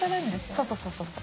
そうそうそう。